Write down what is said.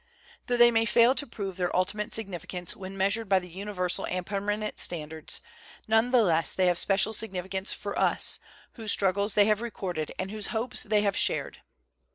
Tho they may fail to prove their ultimate significance when measured by the universal and permanent standards, none the less they have special sig nificance for us, whose struggles they have re corded and whose hopes they have shared.